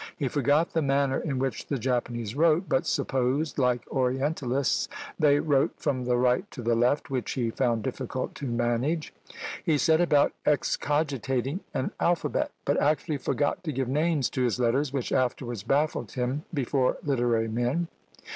He forgot the manner in which the Japanese wrote; but supposed, like orientalists, they wrote from the right to the left, which he found difficult to manage. He set about excogitating an alphabet; but actually forgot to give names to his letters, which afterwards baffled him before literary men.